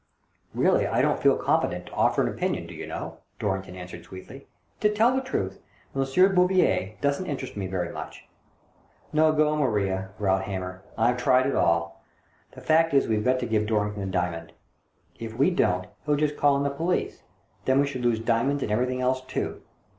" "Keally, I don't feel competent to offer an opinion, do you know," Dorrington answered sweetly. " To tell the truth, M. Bouvier doesn't interest me very much." " No go, Maria !" growled Hamer. " I've tried it all. The fact is we've got to give Dorrington the diamond. If we don't he'll just call in the police — then we shall lose diamond and every thing else too.